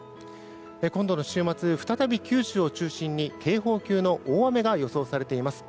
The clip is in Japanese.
今度の週末、再び九州を中心に警報級の大雨が予想されています。